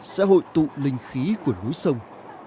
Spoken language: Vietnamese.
sẽ hội tụ linh khí của núi sông